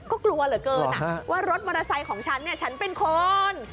ก็กลัวเหลือเกินว่ารถมอเตอร์ไซค์ของฉันฉันเป็นคน